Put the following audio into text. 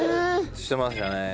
してましたね。